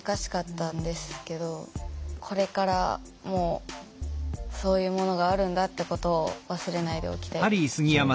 これからもそういうものがあるんだってことを忘れないでおきたいです。